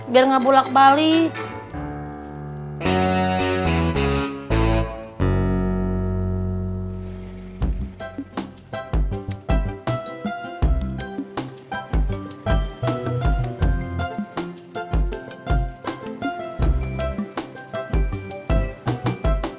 biar gak bulat balik